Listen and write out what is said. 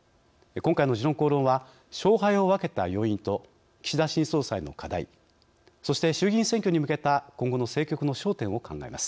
今回の「時論公論」は勝敗を分けた要因と岸田新総裁の課題そして衆議院選挙に向けた今後の政局の焦点を考えます。